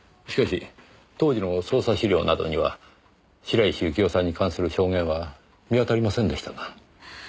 しかし当時の捜査資料などには白石幸生さんに関する証言は見当たりませんでしたが。